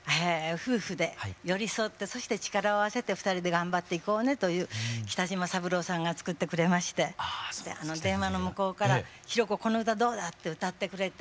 夫婦で寄り添ってそして力を合わせて２人で頑張っていこうねという北島三郎さんが作ってくれまして電話の向こうから「ひろ子この歌どうだ？」って歌ってくれて。